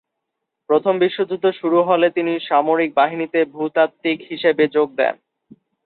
প্রথম বিশ্বযুদ্ধ শুরু হলে তিনি সামরিক বাহিনীতে ভূতাত্ত্বিক হিসেবে যোগ দেন।